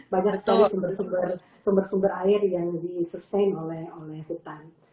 banyak sekali sumber sumber air yang disustain oleh hutan